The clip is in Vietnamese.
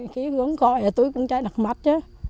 khi hướng gọi thì tôi cũng chạy đặc mặt chứ